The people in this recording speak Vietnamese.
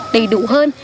đầy đủ hơn